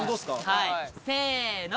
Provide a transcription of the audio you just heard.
はいせの。